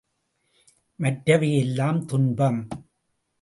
மற்றவை எல்லாம் துன்பம்.